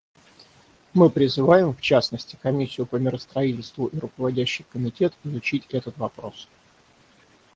Мы призываем, в частности, Комиссию по миростроительству и Руководящий комитет изучить этот вопрос.